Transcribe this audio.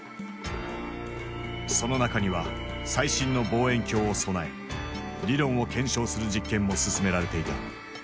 その中には最新の望遠鏡を備え理論を検証する実験も進められていた。